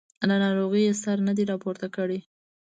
له ناروغۍ یې سر نه دی راپورته کړی.